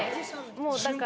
もう、だから。